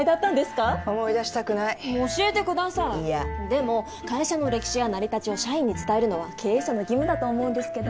でも会社の歴史や成り立ちを社員に伝えるのは経営者の義務だと思うんですけど。